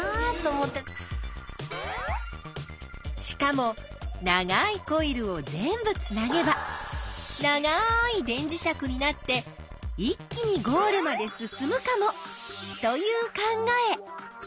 しかも長いコイルを全部つなげば長い電磁石になって一気にゴールまで進むかも！という考え！